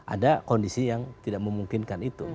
ada kondisi yang tidak memungkinkan itu